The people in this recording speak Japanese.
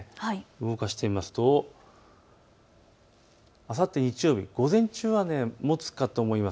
動かしてみますとあさって日曜日午前中はもつかと思います。